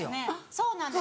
そうなんです。